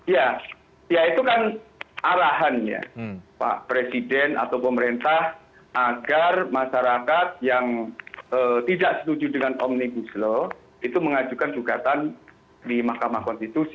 ya ya itu kan arahannya pak presiden atau pemerintah agar masyarakat yang tidak setuju dengan omnibus law itu mengajukan jugatan di mk